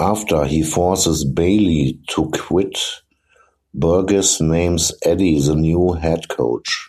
After he forces Bailey to quit, Burgess names Eddie the new head coach.